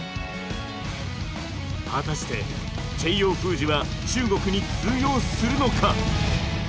果たしてチェイヨー封じは中国に通用するのか。